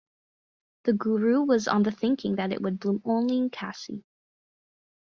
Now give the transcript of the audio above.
The guru was on the thinking that it would bloom only in Kasi.